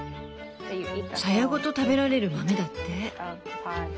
サヤごと食べられる豆だって。